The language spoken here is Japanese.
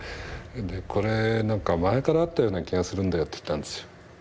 これなんか前からあったような気がするんだよって言ったんですよ。